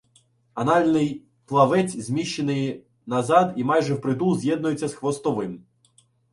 Анальний плавець зміщений назад, і майже впритул з'єднується з хвостовим.